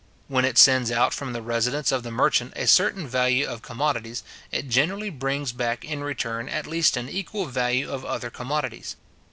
When it sends out from the residence of the merchant a certain value of commodities, it generally brings hack in return at least an equal value of other commodities.